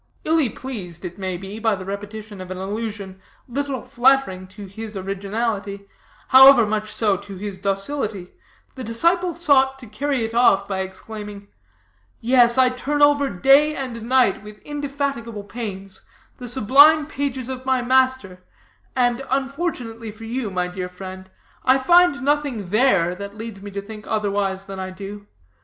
Illy pleased, it may be, by this repetition of an allusion little flattering to his originality, however much so to his docility, the disciple sought to carry it off by exclaiming: "Yes, I turn over day and night, with indefatigable pains, the sublime pages of my master, and unfortunately for you, my dear friend, I find nothing there that leads me to think otherwise than I do.